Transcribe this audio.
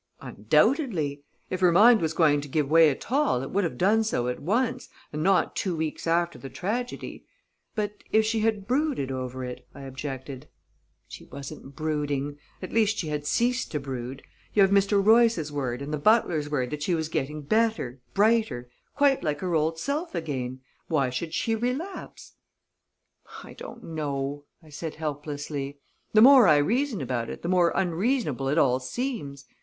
"Undoubtedly. If her mind was going to give way at all, it would have done so at once, and not two weeks after the tragedy." "But if she had brooded over it," I objected. "She wasn't brooding at least, she had ceased to brood. You have Mr. Royce's word and the butler's word that she was getting better, brighter, quite like her old self again. Why should she relapse?" "I don't know," I said helplessly. "The more I reason about it, the more unreasonable it all seems.